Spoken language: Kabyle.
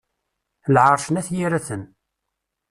Lɛerc n At yiraten.